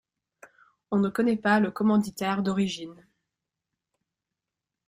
On ne connait pas le commanditaire d'origine.